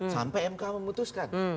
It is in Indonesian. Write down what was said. sampai mk memutuskan